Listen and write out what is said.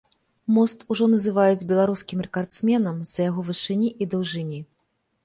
Мост ужо называюць беларускім рэкардсменам з-за яго вышыні і даўжыні.